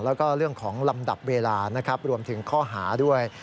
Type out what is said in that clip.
แล้วก็เรื่องของลำดับเวลานะครับรวมถึงข้อหาด้วย